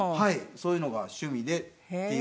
そういうのが趣味でっていうのは。